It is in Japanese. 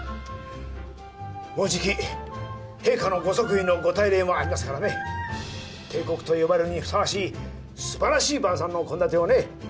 もうじき陛下のご即位のご大礼もありますからね帝国と呼ばれるにふさわしい素晴らしい晩さんの献立をね